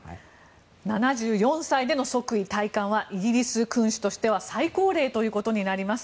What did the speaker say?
７４歳での即位、戴冠はイギリス君主としては最高齢ということになります。